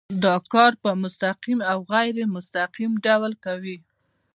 دا کار په مستقیم او غیر مستقیم ډول کوي.